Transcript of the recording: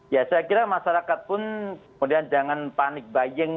ya saya kira masyarakat pun kemudian jangan panik baying